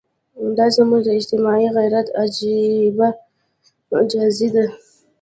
دا زموږ د اجتماعي غیرت عجیبه معجزه ده.